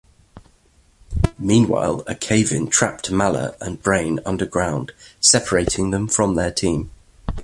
Meanwhile, a cave-in trapped Mallah and Brain underground, separating them from their team.